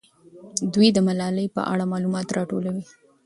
دوی د ملالۍ په اړه معلومات راټولوي.